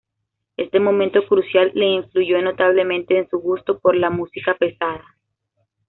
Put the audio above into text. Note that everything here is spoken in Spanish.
Este momento crucial le influyó notablemente en su gusto por la música pesada.